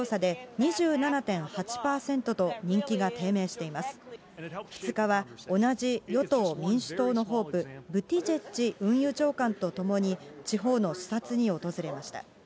２日は同じ与党・民主党のホープ、ブティジェッジ運輸長官と共に、地方の視察に訪れました。